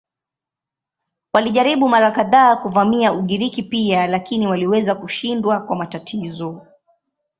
Walijaribu mara kadhaa kuvamia Ugiriki pia lakini waliweza kushindwa kwa matatizo.